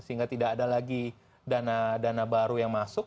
sehingga tidak ada lagi dana dana baru yang masuk